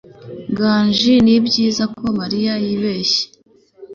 nganji ni byiza ko mariya yibeshye